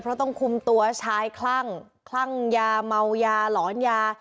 เพราะต้องคุมตัวชายคลั่งคลั่งยาเมายาหลอนยา